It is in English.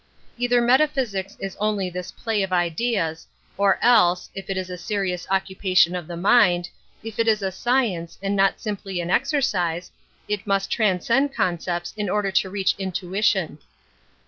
Either metaB hJaica. is only this play of ideas, or else, if it is a serious occupation of the mind, if it is a science and not simply an exercise, it must transcend concepts in order to reach intuition.